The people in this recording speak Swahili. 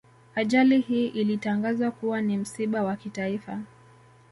Ajali hii ilitangazwa kuwa ni msiba wa kitaifa